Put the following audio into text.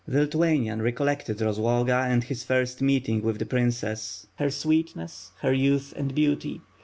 The Lithuanian recollected Rozloga and his first meeting with the princess, her sweetness, her youth and beauty.